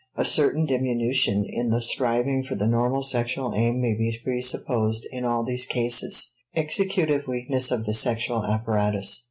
A certain diminution in the striving for the normal sexual aim may be presupposed in all these cases (executive weakness of the sexual apparatus).